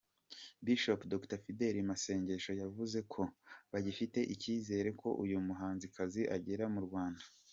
Bishop Dr. Fidèle Masengo yavuze ko bagifite icyizere ko uyu muhanzikazi agera mu Rwanda